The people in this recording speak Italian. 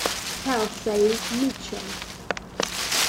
Kelsey Mitchell